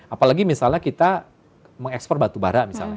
apalagi misalnya kita mengekspor batu bara misalnya